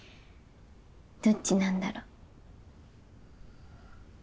どっちなんだろ。